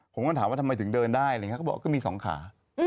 ผมก็ถามว่าทำไมถึงเดินได้บอกว่ามีสองขา